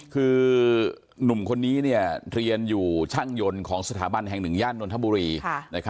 คือหนุ่มคนนี้เรียนอยู่ช่างยนต์ของสถาบันแห่งหนึ่งย่านนทบุรี